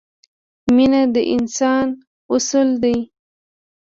مینه د انسان اصل دی.